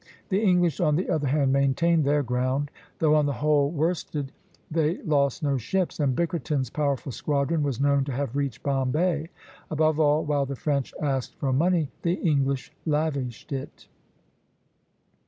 The English, on the other hand, maintained their ground; though on the whole worsted, they lost no ships; and Bickerton's powerful squadron was known to have reached Bombay. Above all, while the French asked for money, the English lavished it.